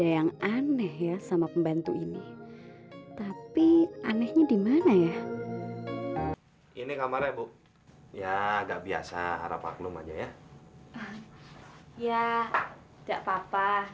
ya gak apa apa